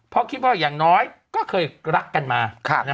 เพราะคิดว่าอย่างน้อยก็เคยรักกันมา